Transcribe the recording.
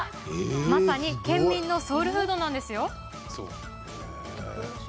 まさに県民のソウルフードなんです。